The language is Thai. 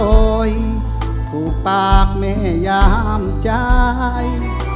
ถูกปากแม่ยามใจ